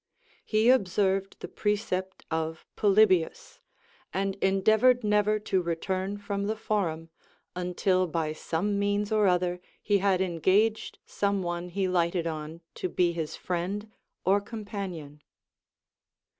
He observed the precept of Polybius, and endeavored never to return from the forum, until by some means or other he had engaged some one he lighted on to be his friend or com panion.